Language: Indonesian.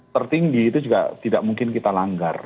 tertinggi itu juga tidak mungkin kita langgar